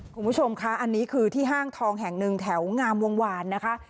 คุณผู้ชมคะอันนี้คือที่ห้างทองแห่งหนึ่งแถวงามวงวานนะคะ